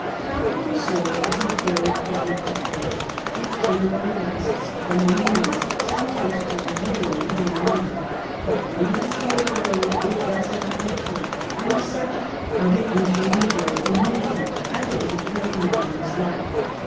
Tropical Sore is a very chronic affair; it generally lasts for many months, sometimes for a year, or even longer. But when it has K 2 148 KALA AZAR. J^healed thoroughly it does not recur, and the subject of it usually enjoys immunity, I believe, for the remainder of his life.